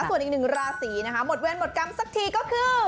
ส่วนอีกหนึ่งราศีนะคะหมดเวรหมดกรรมสักทีก็คือ